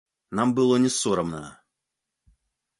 Нам было не сорамна.